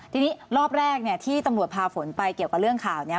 ทีนี้รอบแรกเนี่ยที่ตำรวจพาฝนไปเกี่ยวกับเรื่องข่าวนี้